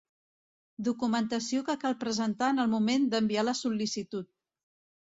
Documentació que cal presentar en el moment d'enviar la sol·licitud.